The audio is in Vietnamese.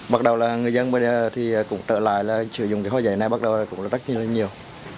bắt đầu là người dân bây giờ thì cũng trở lại là sử dụng cái hoa giấy này bắt đầu là cũng rất nhiều